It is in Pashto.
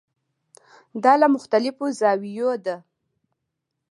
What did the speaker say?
دا له مختلفو زاویو ده.